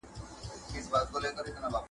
زه بايد لیکل وکړم.